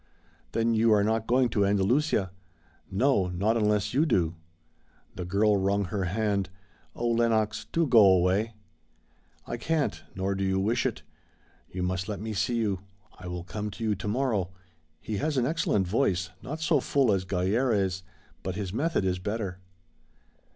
"Then you are not going to Andalucia?" "No, not unless you do." The girl wrung her hand. "Oh, Lenox, do go away!" "I can't, nor do you wish it. You must let me see you. I will come to you to morrow he has an excellent voice, not so full as Gayarré's, but his method is better."